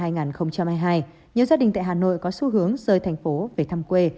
nhiều gia đình tại hà nội có xu hướng rời thành phố về thăm quê